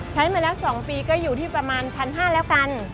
ใช้มาแล้ว๒ปีก็อยู่ที่ประมาณ๑๕๐๐แล้วกัน